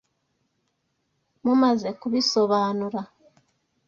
Mumaze kubisobanura.